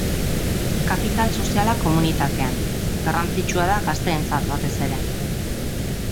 Kapital soziala komunitatean: garrantzitsua da gazteentzat batez ere.